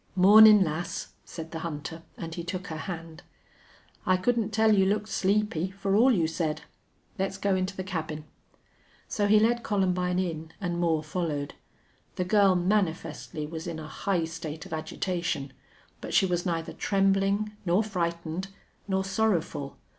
"Mornin', lass," said the hunter, and he took her hand. "I couldn't tell you looked sleepy, for all you said. Let's go into the cabin." So he led Columbine in, and Moore followed. The girl manifestly was in a high state of agitation, but she was neither trembling nor frightened nor sorrowful.